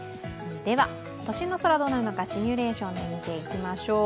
都心の空はどうなるのかシミュレーションで見ていきましょう。